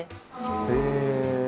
へえ。